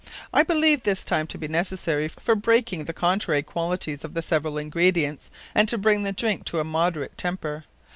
I believe this time to be necessary, for breaking the contrary qualities of the severall Ingredients, and to bring the Drinke to a moderate temper.